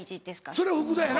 それ福田やな。